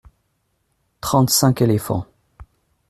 Trente-cinq éléphants.